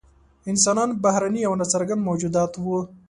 انسانان بهرني او نا څرګند موجودات وو.